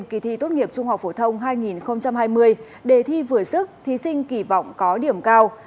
kỳ thi tốt nghiệp trung học phổ thông hai nghìn hai mươi đề thi vừa sức thí sinh kỳ vọng có điểm cao